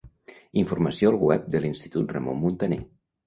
Informació al web de l'Institut Ramon Muntaner.